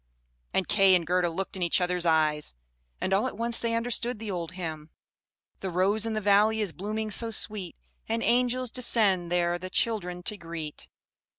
And Kay and Gerda looked in each other's eyes, and all at once they understood the old hymn: "The rose in the valley is blooming so sweet, And angels descend there the children to greet."